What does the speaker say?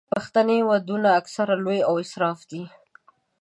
پښتني ودونه اکثره لوی او اسراف دي.